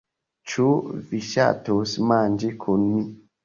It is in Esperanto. Ĉu vi ŝatus manĝi kun mi?